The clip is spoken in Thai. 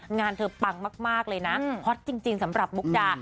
งานเธอปังมากเลยนะฮอตจริงสำหรับมุกดา